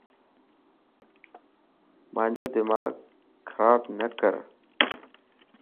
مانجو دماغ خراب نڪر